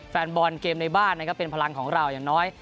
แฟนบอลเกมในบ้านนะครับเป็นพลังของเราอย่างน้อย